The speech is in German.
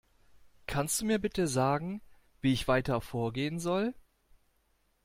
Kannst du mir bitte sagen, wie ich weiter vorgehen soll?